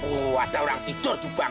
udah semua kerja